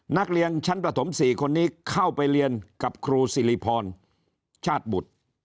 นักเรียนชั้นประถม๔คนนี้เข้าไปเรียนกับครูสิริพรชาติบุตร